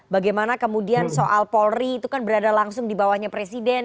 bagaimana kemudian soal polri itu kan berada langsung di bawahnya presiden